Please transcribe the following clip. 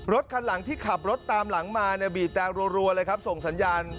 คันหลังที่ขับรถตามหลังมาเนี่ยบีบแต่รัวเลยครับส่งสัญญาณ